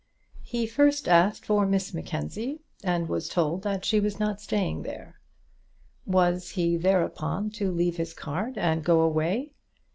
He first asked for Miss Mackenzie, and was told that she was not staying there. Was he thereupon to leave his card and go away?